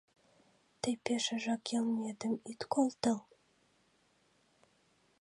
Тый пешыжак йылметым ит колтыл.